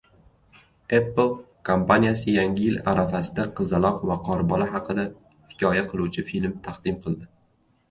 Apple kompaniyasi Yangi yil arafasida qizaloq va qorbola haqida hikoya qiluvchi film taqdim qildi